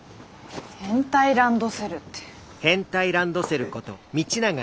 変態ランドセルって。